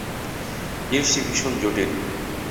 জিনিসটা ভীষণ জটিল।